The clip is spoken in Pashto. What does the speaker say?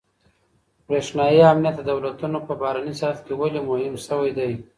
برېښنايي امنيت د دولتونو په بهرني سياست کي ولي مهم سوی دی؟